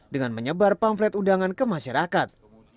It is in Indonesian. dengan menyebar pamflet undangan ke masyarakat